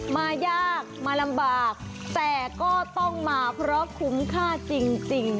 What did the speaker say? มายากมาลำบากแต่ก็ต้องมาเพราะคุ้มค่าจริง